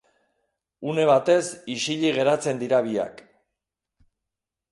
Une batez isilik geratzen dira biak.